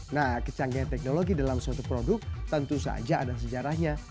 nah kecanggihan teknologi dalam suatu produk tentu saja ada sejarahnya